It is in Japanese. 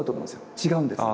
違うんです。